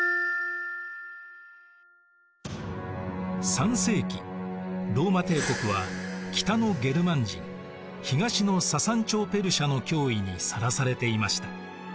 ３世紀ローマ帝国は北のゲルマン人東のササン朝ペルシアの脅威にさらされていました。